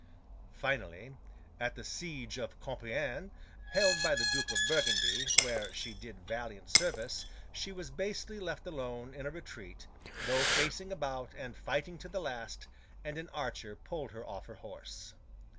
Finally, at the siege of Compiègne, held by the Duke of Burgundy, where she did valiant service, she was basely left alone in a retreat, though facing about and fighting to the last; and an archer pulled her off her horse.